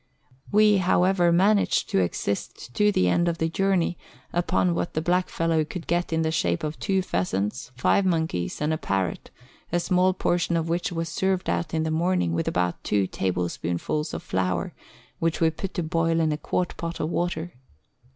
We, however, managed to exist to the end of the journey upon what the blackfellow could get in the shape of two pheasants, five monkeys, and a parrot, a small portion of which was served out in the morning with about two table spoonfuls of flour, which we put to boil in a quart pot of water.